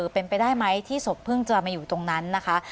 เป็นไปได้ไหมที่ศพเพิ่งจะมาอยู่ตรงนั้นนะคะ